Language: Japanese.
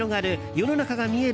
世の中が見える！